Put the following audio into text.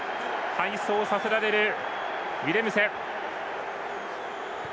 背走させられるウィレムセ。